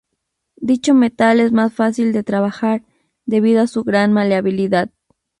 Dicho metal es más fácil de trabajar, debido a su gran maleabilidad.